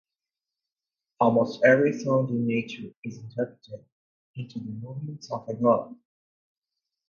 Almost every sound in nature is interpreted into the movements of a god.